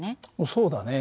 そうだね。